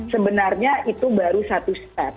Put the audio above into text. sebenarnya itu baru satu step